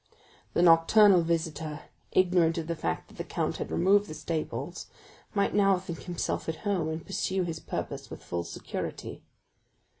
The nocturnal visitor, ignorant of the fact that the count had removed the staples, might now think himself at home, and pursue his purpose with full security.